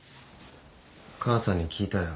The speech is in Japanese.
母さんに聞いたよ。